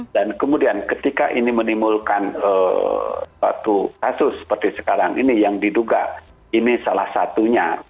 dan kemudian ketika ini menimbulkan satu kasus seperti sekarang ini yang diduga ini salah satunya